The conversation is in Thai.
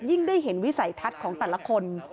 ได้เห็นวิสัยทัศน์ของแต่ละคน